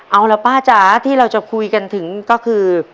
เอาล่ะป้าจ๋าที่เราจะคุยกันถึงก็คือ